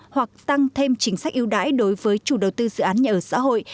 hoặc tăng thêm chính sách yêu đãi đối với chủ đầu tư dự án nhà ở xã hội